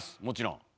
もちろん。